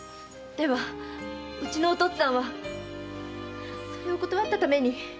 ではうちのお父っつぁんはそれを断ったために！